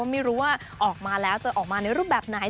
ไม่รู้ว่าออกมาแล้วจะออกมาในรูปแบบไหน